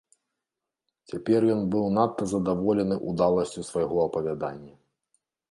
Цяпер ён быў надта задаволены ўдаласцю свайго апавядання.